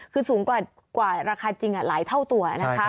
คือสูงกว่าราคาจริงหลายเท่าตัวนะคะ